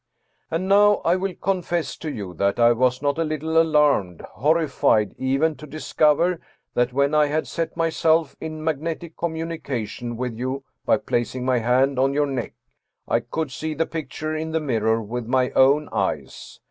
And now I will con fess to you that I was not a little alarmed, horrified even, to discover that when I had set myself in magnetic com munication with you by placing my hand on your neck I could see the picture in the mirror with my own eyes.